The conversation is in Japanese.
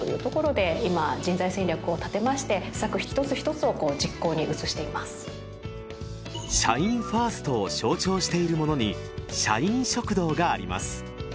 やはりいうところで今社員ファーストを象徴しているものに社員食堂があります